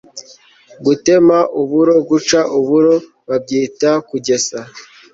gutema uburo/guca uburo babyita kugesa